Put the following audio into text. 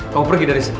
kamu pergi dari sini